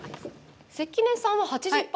関根さんは８０％。